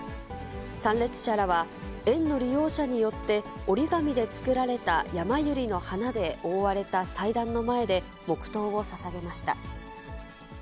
参列者らは、園の利用者によって折り紙で作られたやまゆりの花で覆われた祭壇の前で、黙とうをささげました。